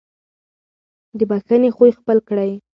د بښنې خوی خپل کړئ.